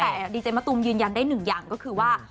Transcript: แต่ดีเจมะตูมยืนยันได้หนึ่งอย่างก็คือว่า